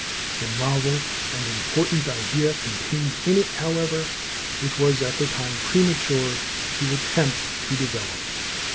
The novel and important idea contained in it, however, it was at that time premature to attempt to develop.